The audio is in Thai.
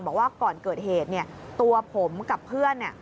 บอกว่าก่อนเกิดเหตุเนี่ยตัวผมกับเพื่อน